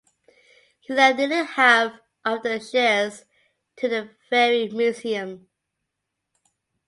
He left nearly half of the shares to the Ferry Museum.